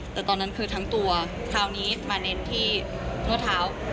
แต่ตอนนั้นคือทั้งตัวคราวนี้มาเน้นที่ข้อเท้า